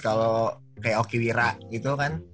kalau kayak okiwira gitu kan